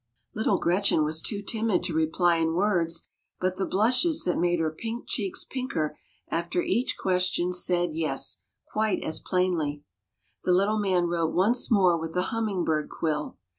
Little Gretchen was too timid to reply in words, but the blushes that made her pink cheeks pinker after each question said Yes " quite as plainly. The Little Man Avrote once more Avith the humming bird quill.